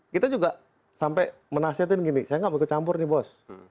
kita juga sampai menasihatin gini saya enggak mau kecampur nih bos